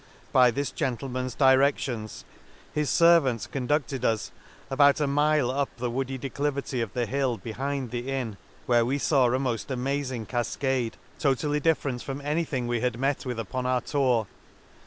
— By this gentleman's dire&ions his fervant con ducted us about a mile up the woody declivity of the hill behind the inn, where we faw a mofl amazing cafcade, totally different from any thing we had met the Lakes, 171 met with upon our tour.